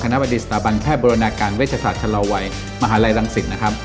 คณะประดิษฐาบันแพทย์บรินาคารเวชศาสตร์ชะลาวัยมหาลัยรังศิษฐ์